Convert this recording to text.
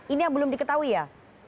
ini yang belum diketahui ya